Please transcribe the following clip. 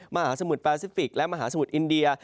มหาสมุทรแปซิฟิกและมหาสมุทรอินเดีย